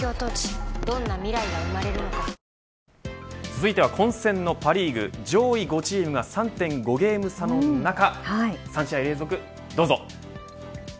続いては混戦のパ・リーグ上位５チームが３．５ゲーム差の中３試合連続どうぞ。